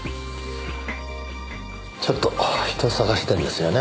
ちょっと人を捜してるんですよね。